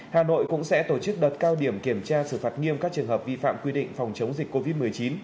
hà nội cũng sẽ tổ chức đợt cao điểm kiểm tra xử phạt nghiêm các trường hợp vi phạm quy định phòng chống dịch covid một mươi chín